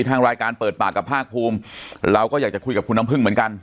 ทางรายการเปิดปากกับภาคภูมิเราก็อยากจะคุยกับคุณน้ำพึ่งเหมือนกัน